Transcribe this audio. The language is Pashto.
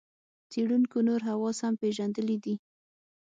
څېړونکو نور حواس هم پېژندلي دي.